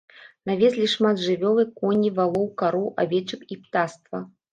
Навезлі шмат жывёлы, коней, валоў, кароў, авечак і птаства.